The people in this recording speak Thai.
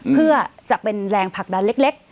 เพื่อจะเป็นแรงผลักดันเล็ก